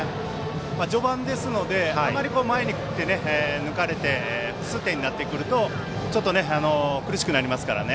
序盤ですのであまり前に来て抜かれて複数点になってくると苦しくなりますからね。